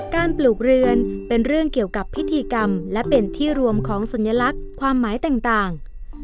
ปลูกเรือนเป็นเรื่องเกี่ยวกับพิธีกรรมและเป็นที่รวมของสัญลักษณ์ความหมายต่าง